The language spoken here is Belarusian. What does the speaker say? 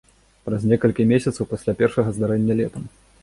Праз некалькі месяцаў пасля першага здарэння летам.